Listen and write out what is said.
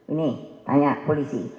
ini tanya polisi